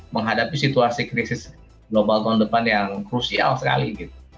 menghadapi situasi krisis global tahun depan yang krusial sekali